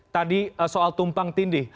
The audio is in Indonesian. tadi soal tumpang tidih